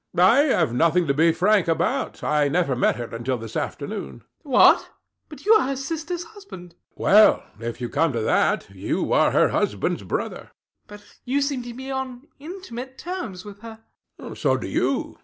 I have nothing to be frank about. I never met her until this afternoon. RANDALL [straightening up]. What! But you are her sister's husband. HECTOR. Well, if you come to that, you are her husband's brother. RANDALL. But you seem to be on intimate terms with her. HECTOR. So do you.